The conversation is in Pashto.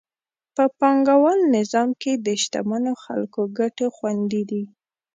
په پانګوال نظام کې د شتمنو خلکو ګټې خوندي دي.